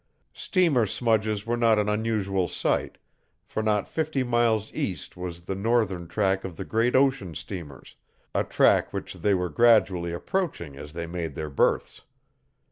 Steamer smudges were not an unusual sight, for not fifty miles east was the northern track of the great ocean steamers a track which they were gradually approaching as they made their berths.